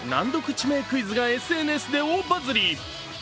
地名クイズがＳＮＳで大バズり。